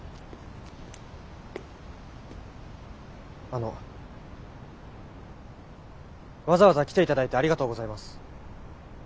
あのわざわざ来ていただいてありがとうございます。